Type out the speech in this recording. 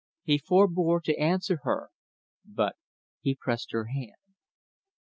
He forbore to answer her, but he pressed her hand.